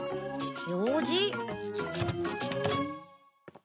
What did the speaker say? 用事。